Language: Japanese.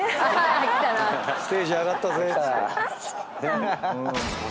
ステージ上がったぜっつって。